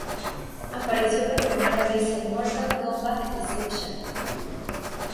Apareció por primera vez en "Mortal Kombat Deception".